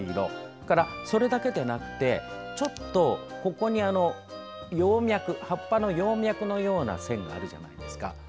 それだけでなくてちょっとここに葉っぱの葉脈のような線があるじゃないですか。